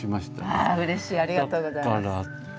ありがとうございます。